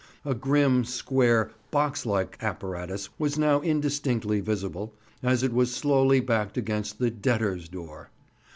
A grim, square, box like apparatus was now indistinctly visible, as it was slowly backed against the "debtors' door."